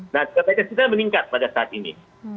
nah kapasitas kita meningkat pada saat ini